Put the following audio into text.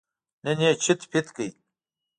نن یې چیت پیت کړ.